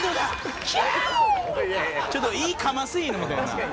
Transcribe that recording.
ちょっといい噛ませ犬みたいな。